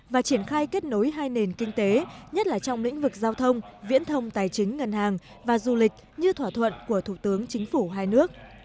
và triển khai kết nối hai nền kinh tế nhất là trong lĩnh vực giao thông viễn thông tài chính ngân hàng và du lịch như thỏa thuận của thủ tướng chính phủ hai nước